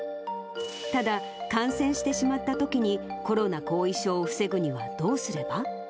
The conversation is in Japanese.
ただ、感染してしまったときに、コロナ後遺症を防ぐにはどうすれば？